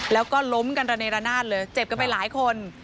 แล้วก็ล้มกันระเนรนาศเลยเจ็บกันไปหลายคน